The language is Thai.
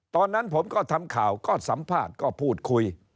ตอนนั้นผมก็ทำข่าวก็สัมภาษณ์ก็พูดคุย